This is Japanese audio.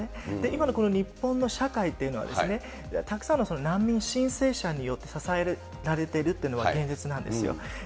今のこの日本の社会というのは、たくさんの難民申請者によって支えられてるというのが現実なんですよ。